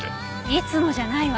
いつもじゃないわ。